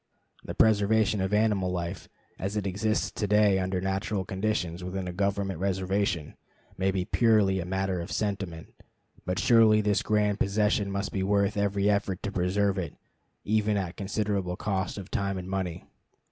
The preservation of animal life, as it exists to day under natural conditions within a government reservation, may be purely a matter of sentiment; but surely this grand possession must be worth every effort to preserve it, even at considerable cost of time and money.